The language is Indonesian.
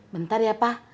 bentar ya pa